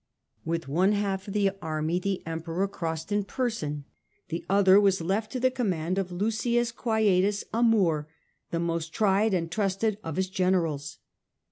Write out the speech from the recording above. With one half of the army the Emperor crossed in person, the other was left to the command of Lusius Quietus, a Moor, the most tried and trusted of his generals.